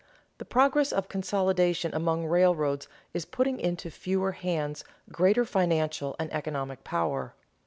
_The progress of consolidation among railroads is putting into fewer hands greater financial and economic power.